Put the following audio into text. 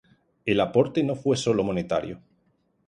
El aporte no fue sólo monetario.